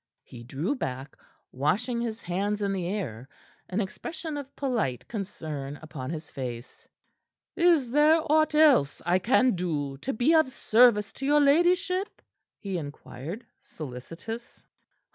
He drew back, washing his hands in the air, an expression of polite concern upon his face. "Is there aught else I can do to be of service to your ladyship?" he inquired, solicitous.